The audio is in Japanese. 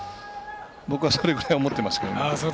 僕はそれぐらい思ってますけどね。